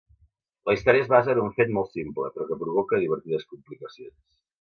La història es basa en un fet molt simple, però que provoca divertides complicacions.